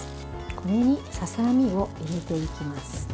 これにささ身を入れていきます。